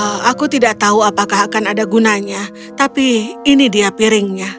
oh aku tidak tahu apakah akan ada gunanya tapi ini dia piringnya